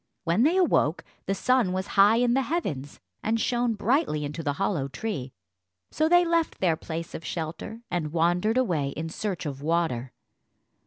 When they awoke the sun was high in the heavens, and shone brightly into the hollow tree, so they left their place of shelter and wandered away in search of water.